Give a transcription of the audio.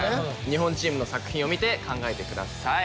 日本チームの作品を見て考えてください。